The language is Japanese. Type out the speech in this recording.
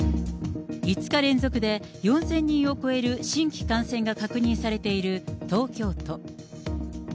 ５日連続で４０００人を超える新規感染が確認されている東京都。